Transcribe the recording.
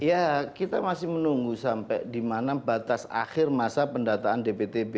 ya kita masih menunggu sampai di mana batas akhir masa pendataan dptb